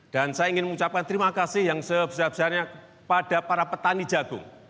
dan saya ingin mengucapkan terima kasih yang sebesar besarnya pada para petani jagung